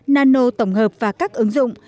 nano tổng hợp và các ứng dụng